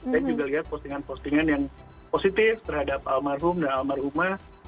saya juga lihat postingan postingan yang positif terhadap almarhum dan almarhumah